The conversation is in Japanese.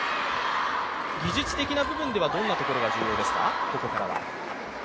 技術的な部分では、ここからどんなところが重要ですか？